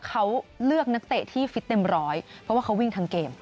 เขาเลือกนักเตะที่ฟิตเต็มร้อยเพราะว่าเขาวิ่งทั้งเกม